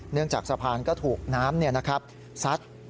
เนื่องจากสะพานก็ถูกน้ำสัด